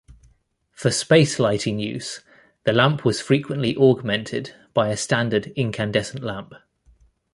For space lighting use, the lamp was frequently augmented by a standard incandescent lamp.